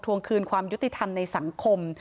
วงคืนความยุติธรรมในสังคม